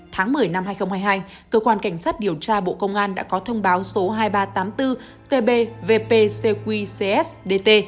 tháng một mươi năm hai nghìn hai mươi hai cơ quan cảnh sát điều tra bộ công an đã có thông báo số hai nghìn ba trăm tám mươi bốn tb vpcsdt